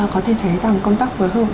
có thể thấy rằng công tác phối hợp